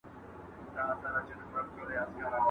زه به سبا کتابتون ته راشم!.